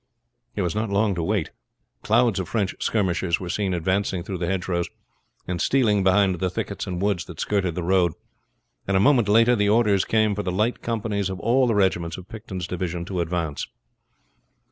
There was not long to wait. Clouds of French skirmishers were seen advancing through the hedgerows, and stealing behind the thickets and woods that skirted the road, and a moment later the orders came for the light companies of all the regiments of Picton's division to advance.